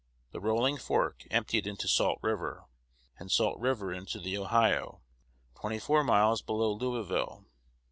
The Rolling Fork emptied into Salt River, and Salt River into the Ohio, twenty four miles below Louisville.